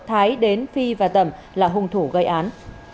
thái đến phi và tẩm là hung thủ gây án